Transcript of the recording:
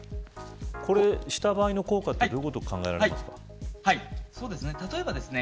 これをした場合効果はどのようなものが考えられますか。